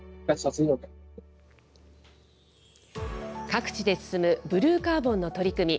各地で進むブルーカーボンの取り組み。